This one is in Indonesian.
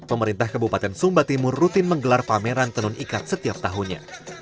pemerintah kabupaten sumba timur rutin menggelar pameran tenun ikat setiap tahunnya